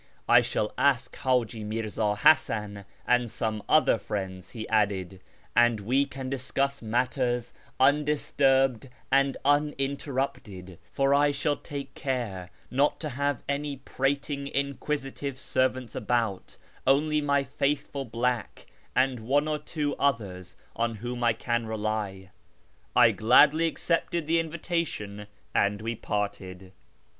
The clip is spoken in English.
" I shall ask Hiiji Mirza Hasan and some other friends," he added, " and we can discuss matters undisturbed and uninterrupted, for I shall take care not to have any prating inquisitive servants about; only my faithful lilack, and one or two others on whom I can rely." I gladly accepted the invitation and we parted.